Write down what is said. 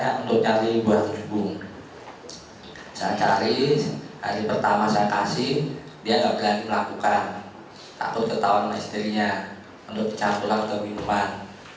aku ketahuan istrinya menurut campuran keminuman